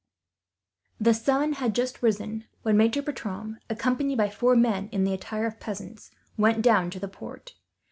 The sun had just risen when Maitre Bertram, accompanied by four men in the attire of peasants, went down to the port.